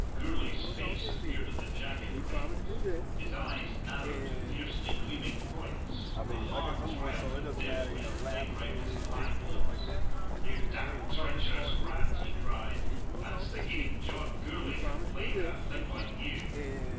Gourlay's face appeared at the jagged rent, his eyes narrowed to fiercely gleaming points, a hard, triumphant devilry playing round his black lips. "You damned treacherous rat!" he cried, "that's the game John Gourlay can play wi' a thing like you."